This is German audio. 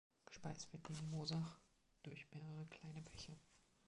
Gespeist wird die Moosach durch mehrere kleinere Bäche.